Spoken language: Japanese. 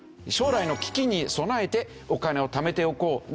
将来の危機に備えてお金をためておこう。